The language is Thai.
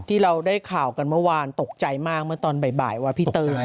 ที่เราได้ข่าวกันเมื่อวานตกใจมากเมื่อตอนบ่ายว่าพี่เตย